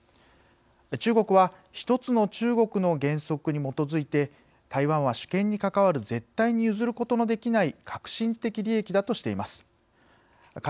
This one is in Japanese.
中国は一つの中国の原則に基づいて台湾は主権に関わる絶対に譲ることのできない核心的利益だとしています。